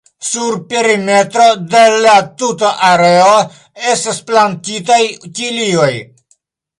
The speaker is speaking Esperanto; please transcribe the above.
Sur perimetro de la tuta areo estas plantitaj tilioj.